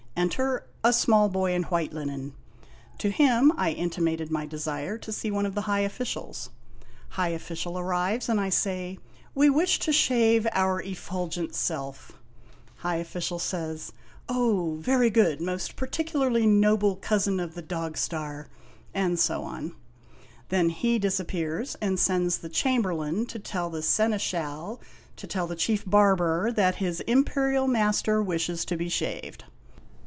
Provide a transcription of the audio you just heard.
Enter a small boy in white linen. To him I intimated my desire to see one of the high officials. High official arrives, and I say: "We wish to shave our effulgent self." High official says: "Oh, very good, Most Particularly Noble Cousin of THE SEQUEL 55 the Dog star," and so on. Then he disappears and sends the Chamberlain to tell the Seneschal to tell the Chief Barber that his Imperial Master wishes to be shaved.